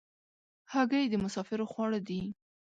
هګۍ د مسافرو خواړه دي.